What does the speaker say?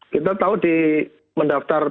kita tahu di mendaftar